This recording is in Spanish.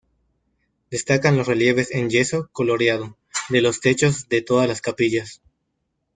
Destacan los relieves en yeso, coloreado, de los techos de todas las capillas.